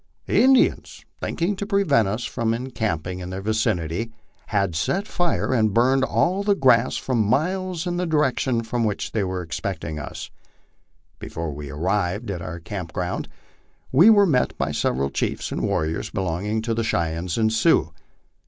The Indians, thinking to prevent us from en camping in their vicinity, had set fire to and burned all the grass for miles in the direction from which they expected us. Before we arrived at our camping ground we were met by several chiefs and warriors belonging to the Cheyennes and Sioux.